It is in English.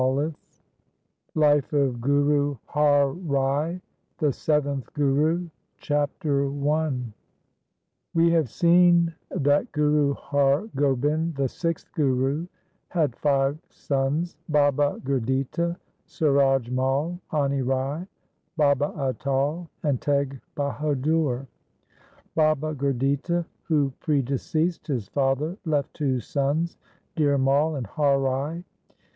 27S LIFE OF GURU HAR RAI, THE SEVENTH GURU Chapter I We have seen that Guru Har Gobind, the sixth Guru, had five sons, Baba Gurditta, Suraj Mai, Ani Rai, Baba Atal, and Teg Bahadur. Baba Gurditta, who predeceased his father, left two sons, Dhir Mai and Har Rai.